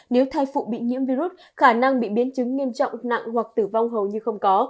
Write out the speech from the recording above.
nếu thai phụ bị nhiễm virus khả năng bị biến chứng nghiêm trọng nặng hoặc tử vong hầu như không có